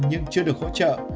nhưng chưa được hỗ trợ